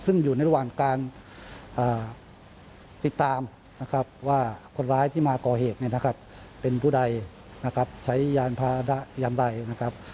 ซึ่งอยู่ในระหว่างการติดตามนะครับว่าคนร้ายที่มาก่อเหตุเนี่ยนะครับเป็นผู้ใดนะครับใช้ยานพานะยามใดนะครับ